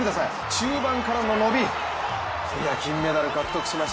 中盤からの伸び、金メダル獲得しました。